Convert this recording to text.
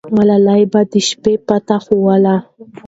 ملالۍ به د شپې پته ښووله.